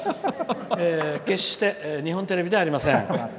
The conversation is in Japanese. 決して日本テレビではありません。